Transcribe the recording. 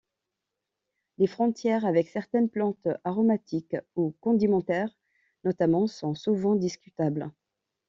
Les frontières avec certaines plantes aromatiques ou condimentaires, notamment, sont souvent discutables.